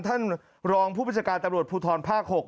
ท่านรองผู้บัญชาการตำรวจภูทรภาค๖